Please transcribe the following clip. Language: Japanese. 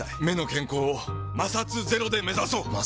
目の健康を摩擦ゼロで目指そう！